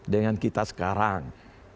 dengan kita sekarang